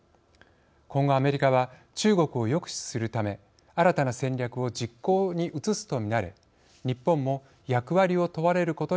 今後アメリカは中国を抑止するため新たな戦略を実行に移すとみられ日本も役割を問われることになりそうです。